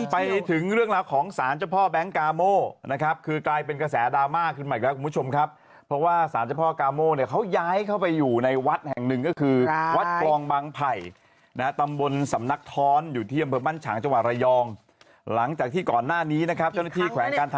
ไปถึงเรื่องราวของสารเจ้าพ่อแบงก์กาโมนะครับคือกลายเป็นกระแสดราม่าขึ้นมาอีกแล้วคุณผู้ชมครับเพราะว่าสารเจ้าพ่อกาโมเนี่ยเขาย้ายเข้าไปอยู่ในวัดแห่งหนึ่งก็คือวัดปลองบังภัยนะตำบลสำนักท้อนอยู่ที่อำเภอบ้านฉางจังหวัด